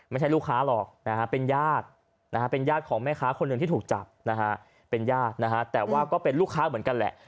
ไม่ใช่ลูกค้าหรอกนะฮะเป็นญาตินะฮะเป็นญาติของแม่ค้าคนหนึ่งที่ถูกจับนะฮะเป็นญาตินะฮะแต่ว่าก็เป็นลูกค้าเหมือนกันแหละ